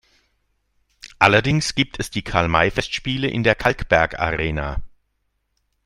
Allerdings gibt es die Karl-May-Festspiele in der Kalkbergarena.